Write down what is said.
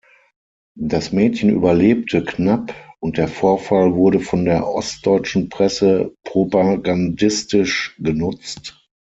Das Mädchen überlebte knapp, und der Vorfall wurde von der Ostdeutschen Presse propagandistisch genutzt.